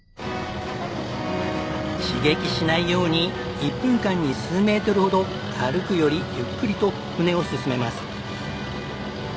刺激しないように１分間に数メートルほど歩くよりゆっくりと船を進めます。